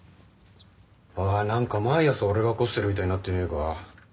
・おい何か毎朝俺が起こしてるみたいになってねえか？